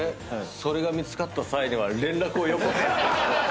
それが見つかった際には連絡をよこせって。